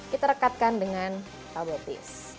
kita rekatkan dengan kabel pis